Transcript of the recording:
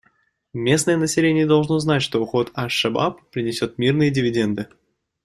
Местное население должно знать, что уход «Аш-Шабааб» принесет мирные дивиденды.